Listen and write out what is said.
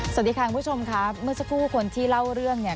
สวัสดีค่ะคุณผู้ชมค่ะเมื่อสักครู่คนที่เล่าเรื่องเนี่ย